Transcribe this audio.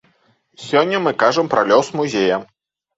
Сёння мы кажам пра лёс музея.